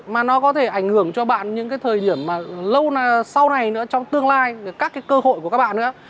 mà nó có thể ảnh hưởng cho bạn những cái thời điểm mà lâu sau này nữa trong tương lai các cái cơ hội của các bạn nữa